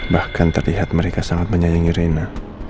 bahkan terlihat mereka sangat menyayangi reina